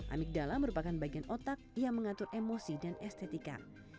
amigdala merupakan bagian otak yang mengatur emosi dan estetika